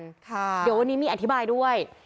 เดี๋ยววันนี้มีอธิบายด้วย